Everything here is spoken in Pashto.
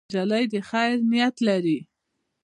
نجلۍ د خیر نیت لري.